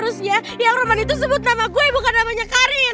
terusnya yang roman itu sebut nama gue bukan namanya karir